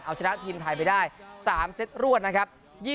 เอาชนะทีมไทยไปได้๓เซตรวดนะครับ